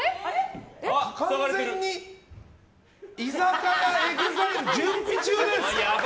完全に居酒屋えぐざいる準備中です！